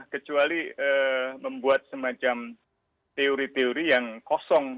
kecuali membuat semacam teori teori yang kosong